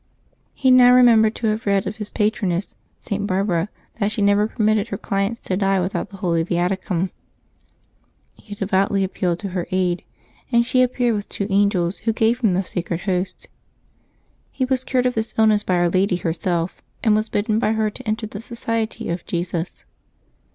He now remembered to have read of his patroness, St. Barbara, that she never permitted her clients to die without the Holy Viaticum : he devoutly ap pealed to her aid, and she appeared with two angels, who gave him the Sacred Host. He was cured of this illness by Our Lady herself, and was bidden by her to enter the Society of Jesus.